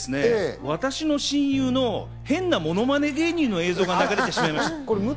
私の親友の変なものまね芸人の映像が流れてしまいました。